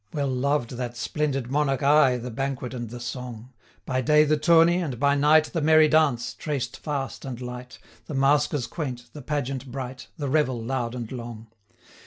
Well loved that splendid monarch aye The banquet and the song, By day the tourney, and by night 180 The merry dance, traced fast and light, The maskers quaint, the pageant bright, The revel loud and long.